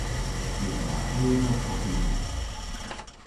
My a wra eva koffi du.